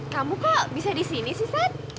kamu kok bisa disini sih sam